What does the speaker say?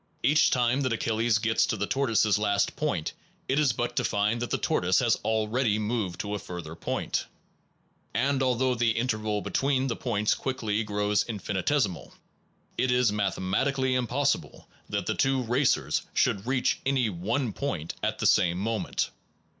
Each time that Achilles gets to the tortoise s last point it is but to find that the tortoise has already moved to a further point; and although the interval between the points quickly grows infinitesimal, it is mathematic ally impossible that the two racers should reach any one point at the same moment.